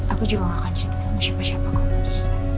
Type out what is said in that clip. aku juga gak akan cerita sama siapa kok mas